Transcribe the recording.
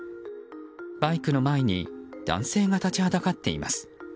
バイクの前に男性が立ちはだかっています。